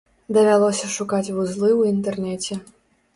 Давялося шукаць вузлы ў інтэрнэце.